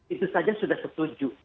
itu saja sudah setuju